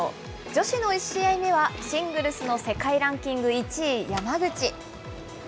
女子の１試合目は、シングルスの世界ランキング１位、山口。